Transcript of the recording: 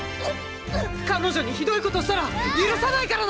彼女にひどいことしたら許さないからな！！